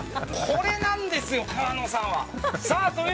これなんですよ、川野さんは。